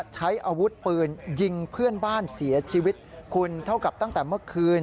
ใช้อาวุธปืนยิงเพื่อนบ้านเสียชีวิตคุณเท่ากับตั้งแต่เมื่อคืน